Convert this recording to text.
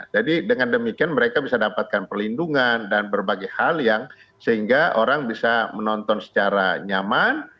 jadi dengan demikian mereka bisa dapatkan perlindungan dan berbagai hal yang sehingga orang bisa menonton secara nyaman